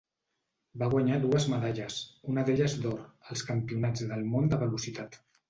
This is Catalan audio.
Va guanyar dues medalles, una d'elles d'or, als Campionats del món de velocitat.